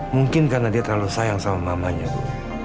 mungkin karena dia terlalu sayang sama mamanya